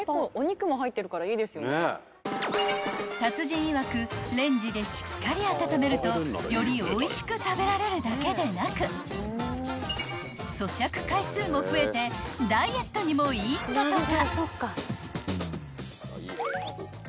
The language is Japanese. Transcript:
［達人いわくレンジでしっかり温めるとよりおいしく食べられるだけでなくそしゃく回数も増えてダイエットにもいいんだとか］